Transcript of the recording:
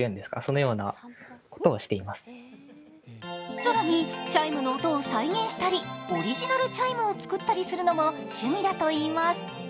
更に、チャイムの音を再現したりオリジナルチャイムを作ったりするのも趣味だといいます。